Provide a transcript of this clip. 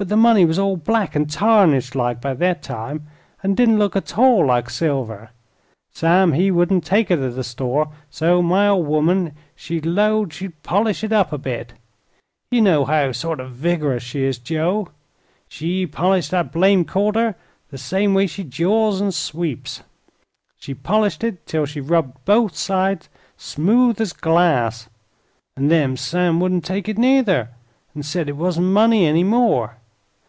But the money was all black an' tarnished like, by thet time, an' didn't look at all like silver. Sam he wouldn't take it at the store, so my ol' woman she 'lowed she'd polish it up a bit. Ye know how sort o' vig'rous she is, Joe. She polished that blamed quarter the same way she jaws an' sweeps; she polished it 'til she rubbed both sides smooth as glass, an' then Sam wouldn't take it, nuther, 'n' said it wasn't money any more.